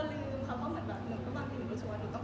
แล้วมีอย่างบางทีแขกมาเข้ามีอะไรก็จะบอก